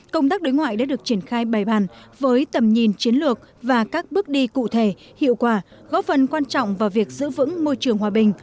công tác đối ngoại đã được triển khai bài bàn với tầm nhìn chiến lược và các bước đi cụ thể hiệu quả góp phần quan trọng vào việc giữ vững môi trường hòa bình